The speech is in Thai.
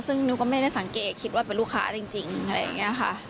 ซึ่งหนูก็ไม่ได้สังเกตคิดว่าเป็นลูกค้าจริงอะไรอย่างนี้ค่ะ